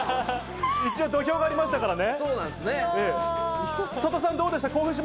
一応、土俵がありますからね。